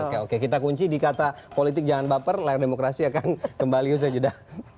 oke oke kita kunci di kata politik jangan baper layar demokrasi akan kembali usai jeda